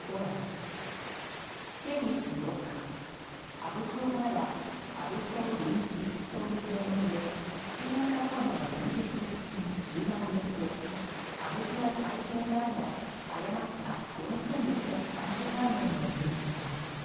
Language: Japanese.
先月８日、阿武町からはアブチョウリンジという名目で新型コロナの臨時給付金１０万円とアブチョウカイケイからの誤った４６３０万円の入金が。